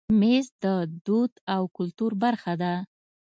مېز د دود او کلتور برخه ده.